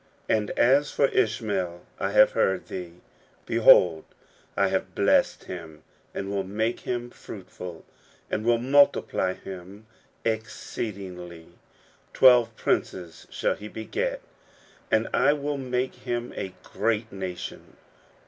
And as for Ishmael, I have heard thee: Behold, I have blessed him, and will make him fruitful, and will multiplv him exceedingly ; twelve princes shall he begel^ and I will make him a great nation.